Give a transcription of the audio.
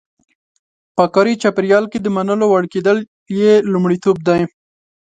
په کاري چاپېریال کې د منلو وړ کېدل یې لومړیتوب دی.